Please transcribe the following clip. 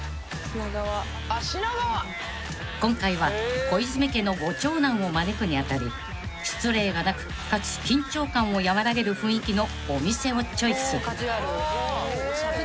［今回は小泉家のご長男を招くに当たり失礼がなくかつ緊張感を和らげる雰囲気のお店をチョイス］